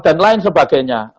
dan lain sebagainya